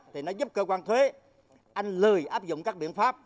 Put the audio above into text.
thì nó giúp cơ quan thuế anh lười áp dụng các biện pháp